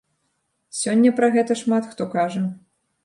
Сёння пра гэта шмат хто кажа.